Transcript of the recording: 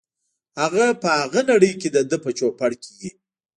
هغه په هغه نړۍ کې دده په چوپړ کې وي.